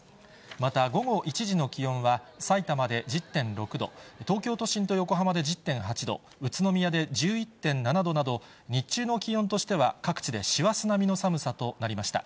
また午後１時の気温はさいたまで１０．６度、東京都心と横浜で１０．８度、宇都宮で１１．７度など、日中の気温としては各地で師走並みの寒さとなりました。